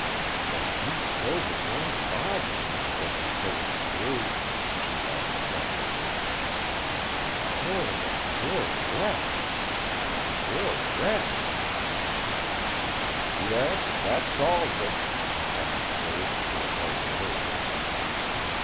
"Then he killed his own father, if what you say is true!" she added breathlessly. "Oh, the poor wretch! The poor wretch!" "Yes, that solves it," went on Code, who had hardly heard her.